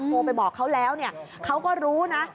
โทรไปบอกเขาแล้วเขาก็รู้นะ